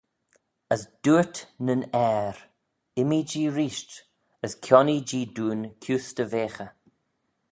As dooyrt nyn ayr, Immee-jee reesht, as kionnee-jee dooin kuse dy veaghey.